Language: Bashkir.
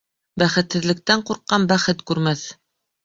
Бәхетһеҙлектән ҡурҡҡан бәхет күрмәҫ.